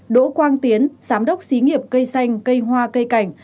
đỗ quang tiến giám đốc xí nghiệp cây xanh cây hoa cây cảnh